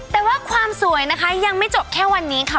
แต่ว่าความสวยนะคะยังไม่จบแค่วันนี้ค่ะ